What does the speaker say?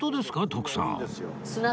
徳さん